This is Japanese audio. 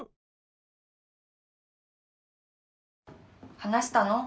・話したの？